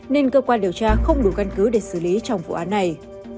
nên cơ quan điều tra không đủ căn cứ để xử lý trong vụ án này